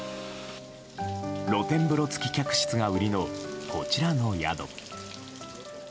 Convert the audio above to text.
露店風呂付き客室が売りのこちらの宿。